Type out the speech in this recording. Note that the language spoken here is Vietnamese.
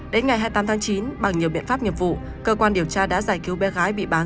đến ngày hai mươi tám tháng chín bằng nhiều biện pháp nghiệp vụ cơ quan điều tra đã giải cứu bé gái bị bán